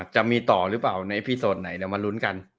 จะมีต่อหรือเปล่าในพี่โสดไหนเดี๋ยวมาลุ้นกัน